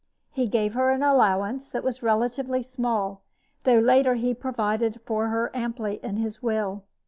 He gave her an allowance that was relatively small, though later he provided for her amply in his will.